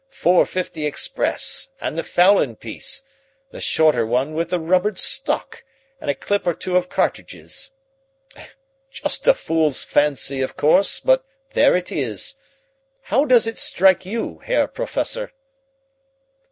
450 Express and the fowlin' piece, the shorter one with the rubbered stock, and a clip or two of cartridges just a fool's fancy, of course, but there it is. How does it strike you, Herr Professor?"